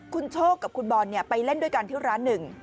คุณโชคกับคุณบอลไปเล่นด้วยกันที่ร้านหนึ่ง